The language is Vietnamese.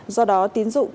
do đó tiến dụng